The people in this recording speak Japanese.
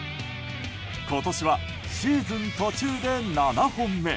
今年はシーズン途中で７本目。